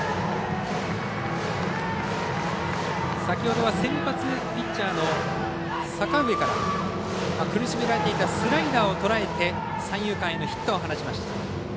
先ほどは先発ピッチャーの阪上から苦しめられていたスライダーをとらえて三遊間へのヒットを放ちました。